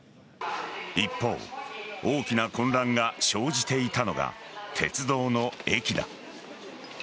一方、大きな混乱が生じていたのが鉄道の駅だ。